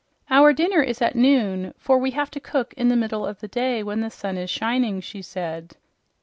"Our dinner is at noon, for we have to cook in the middle of the day when the sun is shining," she said.